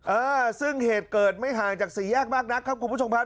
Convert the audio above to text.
เออซึ่งเหตุเกิดไม่ห่างจากสี่แยกมากนักครับคุณผู้ชมครับ